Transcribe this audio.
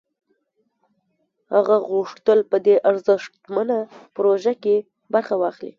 هغه غوښتل په دې ارزښتمنه پروژه کې برخه واخلي